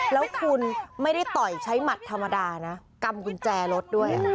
แล้วคุณไม่ได้ต่อยใช้หมัดธรรมดานะกำกุญแจรถด้วย